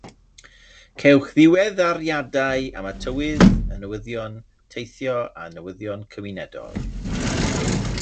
Cewch ddiweddariadau am y tywydd, y newyddion, teithio a newyddion cymunedol.